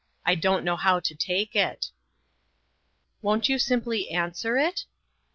I don't know how to take it." " Won't you simply answer it ?